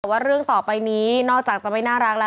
แต่ว่าเรื่องต่อไปนี้นอกจากจะไม่น่ารักแล้ว